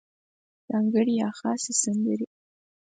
ځانګړې یا خاصې سندرې